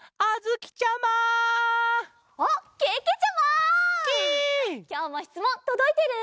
きょうもしつもんとどいてる？